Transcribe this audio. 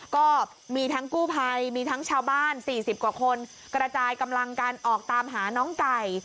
ก็มีทั้งกู้ภัยมีทั้งชาวบ้าน๔๐กว่าคนกระจายกำลังกันออกตามหาน้องไก่